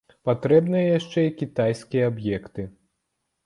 Патрэбныя яшчэ і кітайскія аб'екты.